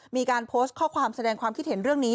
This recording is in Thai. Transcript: มีการโพสต์ข้อความแสดงความคิดเห็นเรื่องนี้